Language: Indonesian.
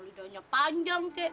lidahnya panjang kek